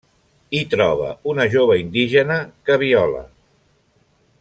Hi troba una jove indígena que viola.